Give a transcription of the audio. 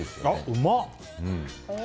うまっ！